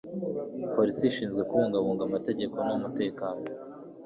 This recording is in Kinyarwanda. polisi ishinzwe kubungabunga amategeko n'umutekano